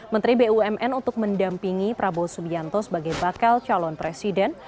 menteri bumn untuk mendampingi prabowo subianto sebagai bakal calon presiden